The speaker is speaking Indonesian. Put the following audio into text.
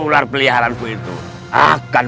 dan beri catatan